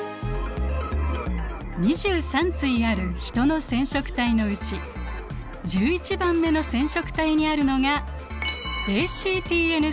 ２３対あるヒトの染色体のうち１１番目の染色体にあるのがＡＣＴＮ